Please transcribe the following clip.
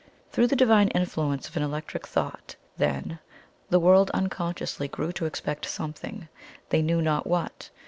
"Through the divine influence of an Electric Thought, then, the world unconsciously grew to expect SOMETHING they knew not what.